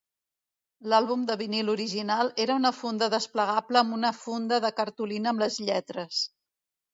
L'àlbum de vinil original era una funda desplegable amb una funda de cartolina amb les lletres.